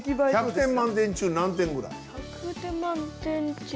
１００点満点中何点ぐらい？